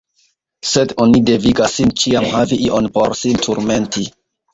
Sed oni devigas sin ĉiam havi ion por sin turmenti!